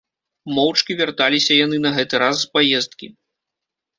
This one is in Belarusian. Моўчкі вярталіся яны на гэты раз з праездкі.